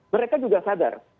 mereka juga sadar